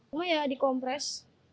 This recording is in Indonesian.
rumah ya dikompres